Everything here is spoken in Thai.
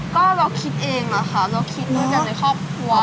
ค่ะก็เราก็คิดเองค่ะเราคิดไปจะในครอบครัว